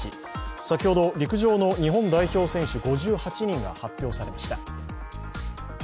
先ほど、陸上の日本代表選手５８人が発表されました。